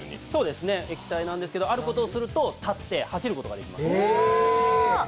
液体なんですけれどもあることをすると立って走ることができます。